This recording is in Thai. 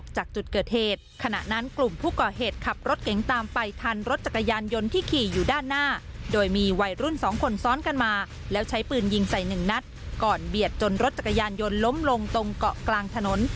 ใช้ปืนยิงใส่๑นัดก่อนเบียดจนรถจักรยานยนต์ล้มลงตรงเกาะกลางถนน